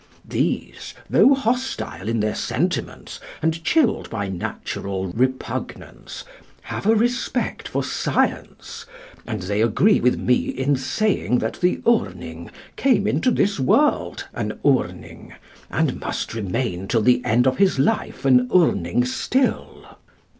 These, though hostile in their sentiments and chilled by natural repugnance, have a respect for science, and they agree with me in saying that the Urning came into this world an Urning, and must remain till the end of his life an Urning still.